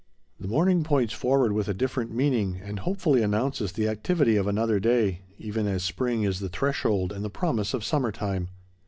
The morning points forward with a different meaning, and hopefully announces the activity of another day, even as spring is the threshold and the promise of summer time.